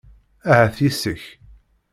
Ahat yes-k.